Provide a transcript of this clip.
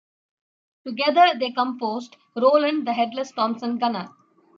Together they composed Roland the Headless Thompson Gunner.